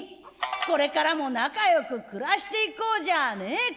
これからも仲良く暮らして行こうじゃねえか」。